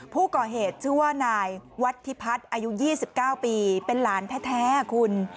ผู้ก่อเหตุชื่อว่านายวัฒิพัฒน์อายุ๒๙ปีเป็นหลานแท้คุณ